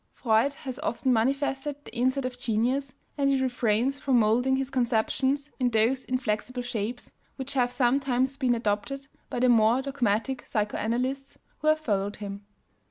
Freud has often manifested the insight of genius, and he refrains from molding his conceptions in those inflexible shapes which have sometimes been adopted by the more dogmatic psychoanalysts who have followed him.